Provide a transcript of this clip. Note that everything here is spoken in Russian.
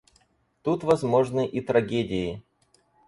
Тут возможны и трагедии.